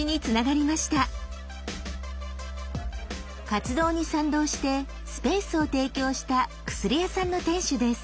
活動に賛同してスペースを提供した薬屋さんの店主です。